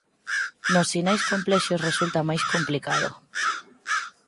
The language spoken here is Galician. Nos sinais complexos resulta máis complicado.